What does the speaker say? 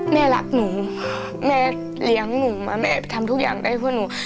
แม่รักหนูแม่เลี้ยงหนูมาแม่ทำทุกอย่างได้เพื่อหนู